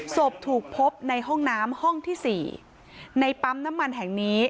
ศพถูกพบในห้องน้ำห้องที่๔ในปั๊มน้ำมันแห่งนี้